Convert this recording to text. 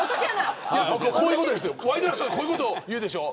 ワイドナショーはこういうこと言うでしょう。